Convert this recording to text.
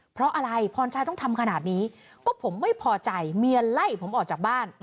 เพราะอะไรพรชัยต้องทำขนาดนี้ก็ผมไม่พอใจเมียไล่ผมออกจากบ้าน